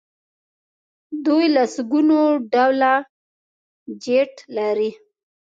دوی لسګونه ډوله جیټ لري.